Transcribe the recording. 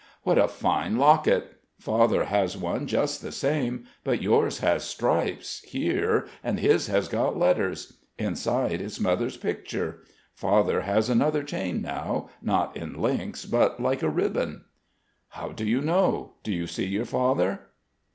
What a fine locket I Father has one just the same, but yours has stripes, here, and his has got letters.... Inside it's mother's picture. Father has another chain now, not in links, but like a ribbon...." "How do you know? Do you see your father?"